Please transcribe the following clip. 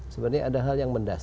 sebenarnya ada hal yang mendasar